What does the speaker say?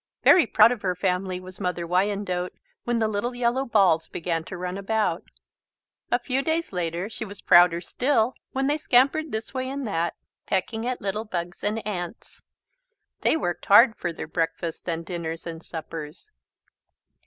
Very proud of her family was Mother Wyandotte when the little yellow balls began to run about. A few days later she was prouder still when they scampered this way and that, pecking at little bugs and ants. They worked hard for their breakfasts and dinners and suppers.